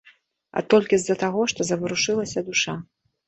А толькі з-за таго, што заварушылася душа.